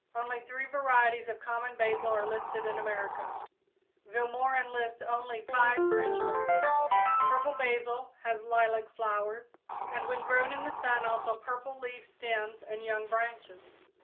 Only three varieties of common basil are listed in America; Vilmorin lists only five French ones. Purple basil has lilac flowers, and when grown in the sun also purple leaf stems and young branches.